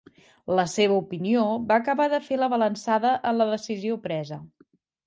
La seva opinió va acabar de fer la balançada en la decisió presa.